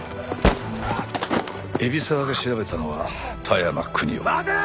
海老沢が調べたのは田山邦夫。